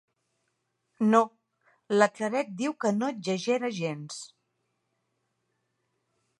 No, la Claret diu que no exagera gens.